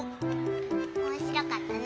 おもしろかったね。